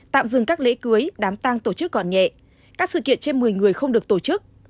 tạm dừng các lễ cưới đám tang tổ chức còn nhẹ các sự kiện trên một mươi người không được tổ chức